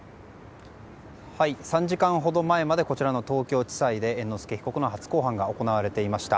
はい、３時間ほど前までこちらの東京地裁で猿之助被告の初公判が行われていました。